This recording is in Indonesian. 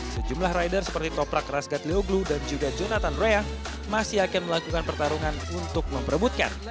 sejumlah rider seperti toprak rasgat leoglu dan juga jonathan roya masih akan melakukan pertarungan untuk memperebutkan